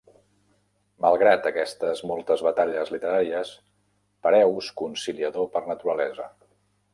Malgrat aquestes moltes batalles literàries, Pareus conciliador per naturalesa.